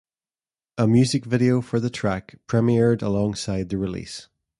A music video for the track premiered alongside the release.